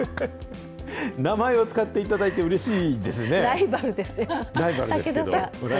名前を使っていただいてうれしいライバルですよ。